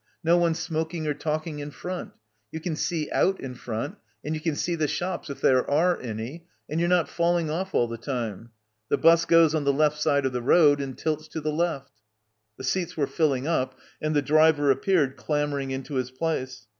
"No one smoking or talking in front; you can see out in front and you can see the shops if there are any, and you're not falling off all the time. The bus goes on the left side of the road and tilts to the left." The seats were filling up and the driver ap peared clambering into his place.